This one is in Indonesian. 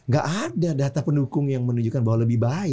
gak ada data pendukung yang menunjukkan bahwa lebih baik